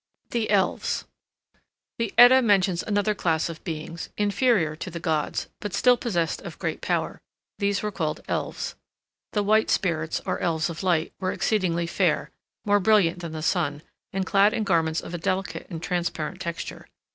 THE ELVES The Edda mentions another class of beings, inferior to the gods, but still possessed of great power; these were called Elves. The white spirits, or Elves of Light, were exceedingly fair, more brilliant than the sun, and clad in garments of a delicate and transparent texture.